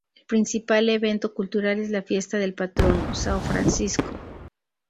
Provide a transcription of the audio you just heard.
El principal evento cultural es la fiesta del patrono: São Francisco.